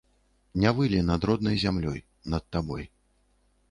Не вылі над роднай зямлёй, над табой.